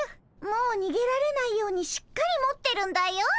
もうにげられないようにしっかり持ってるんだよ。